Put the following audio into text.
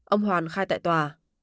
ông hoàn khai tại tòa